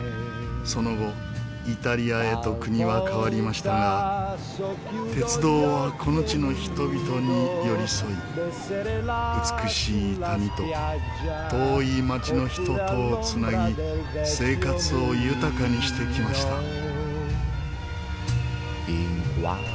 その後イタリアへと国は変わりましたが鉄道はこの地の人々に寄り添い美しい谷と遠い街の人とを繋ぎ生活を豊かにしてきました。